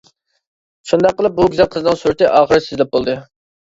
شۇنداق قىلىپ بۇ گۈزەل قىزنىڭ سۈرىتى ئاخىرى سىزىلىپ بولدى.